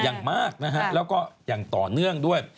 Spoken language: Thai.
อย่างมากนะฮะแล้วก็อย่างต่อเนื่องด้วย